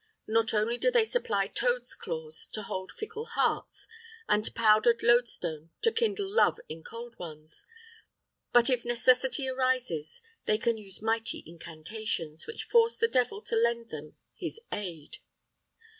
Not only do they supply toads' claws to hold fickle hearts, and powdered loadstone to kindle love in cold ones, but if necessity arises, they can use mighty incantations, which force the devil to lend them his aid.